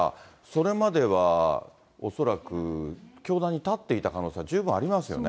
それまでは、恐らく教壇に立っていた可能性が十分ありますよね。